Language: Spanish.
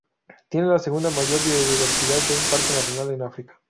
Tiene la segunda mayor biodiversidad de un parque nacional en África.